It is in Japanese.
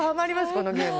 このゲーム。